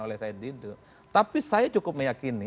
oleh said didu tapi saya cukup meyakini